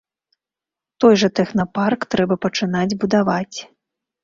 Той жа тэхнапарк трэба пачынаць будаваць.